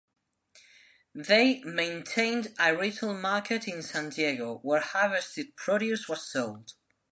They maintained a retail market in San Diego where harvested produce was sold.